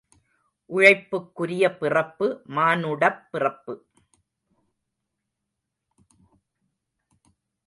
உழைப்புக்குரிய பிறப்பு, மானுடப் பிறப்பு.